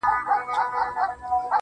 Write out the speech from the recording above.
هو په همزولو کي له ټولو څخه پاس يمه.